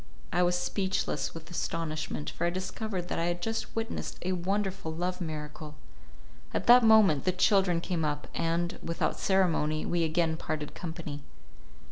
I was speechless with astonishment, for I discovered that I had just witnessed a wonderful love miracle. At that moment the children came up, and, without ceremony, we again parted company.